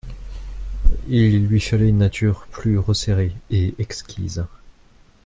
Il lui fallait une nature plus resserrée et exquise.